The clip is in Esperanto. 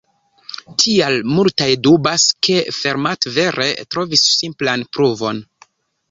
Tial multaj dubas, ke Fermat vere trovis simplan pruvon.